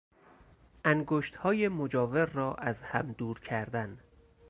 انگشتهای مجاور را از هم دور کردن